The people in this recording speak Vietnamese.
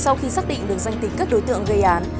sau khi xác định được danh tính các đối tượng gây án